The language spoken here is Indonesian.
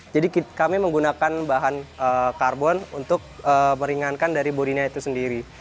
jadi kami menggunakan bahan karbon untuk meringankan dari bodinya itu sendiri